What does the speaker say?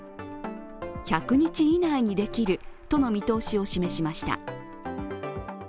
１００日以内にできるとの見通しを示しました。